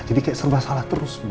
jadi kayak serba salah terus ma